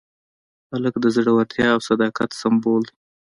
هلک د زړورتیا او صداقت سمبول دی.